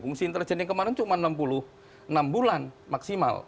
fungsi intelijen yang kemarin cuma enam puluh enam bulan maksimal